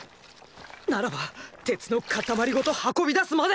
ならば鉄の塊ごと運び出すまで！